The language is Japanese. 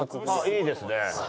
いいですね！